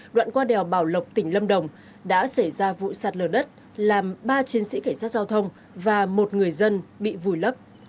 vào bảo lộc tỉnh lâm đồng đã xảy ra vụ sát lở đất làm ba chiến sĩ kẻ sát giao thông và một người dân bị vùi lấp